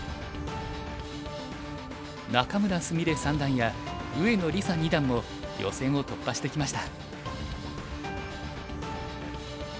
仲邑菫三段や上野梨紗二段も予選を突破してきました。